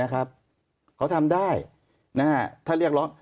เขาทำได้ถ้าเรียกร้อง